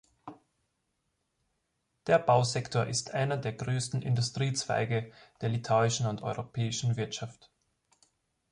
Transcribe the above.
Der Bausektor ist einer der größten Industriezweige der litauischen und europäischen Wirtschaft.